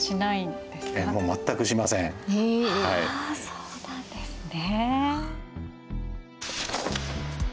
そうなんですね。